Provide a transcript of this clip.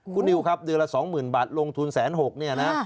คุณนิวครับเดือนละ๒๐๐๐๐บาทลงทุน๑๖๐๐๐๐บาท